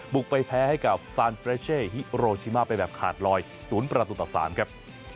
กไปแพ้ให้กับซานเฟรเช่ฮิโรชิมาไปแบบขาดลอย๐ประตูต่อ๓ครับ